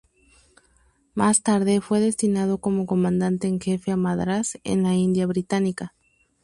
Más tarde, fue destinado como comandante en jefe a Madrás, en la India Británica.